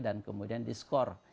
dan kemudian diskor